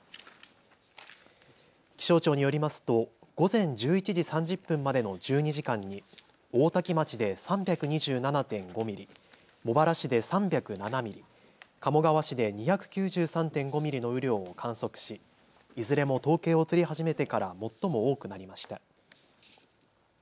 気象庁によりますと午前１１時３０分までの１２時間に大多喜町で３２７．５ミリ、茂原市で３０７ミリ、鴨川市で２９３．５ミリの雨量を観測し、いずれも統計を取り始めてから最も多くなりました。